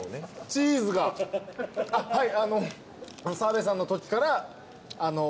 チーズがあっはい。